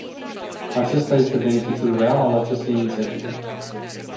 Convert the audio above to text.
Acesta este beneficiul real al acestei inițiative.